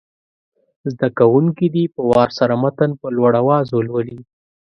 زده کوونکي دې په وار سره متن په لوړ اواز ولولي.